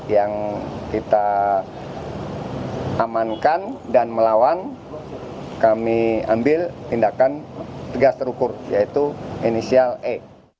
yang kita amankan dan melawan kami ambil tindakan tegas terukur yaitu inisial e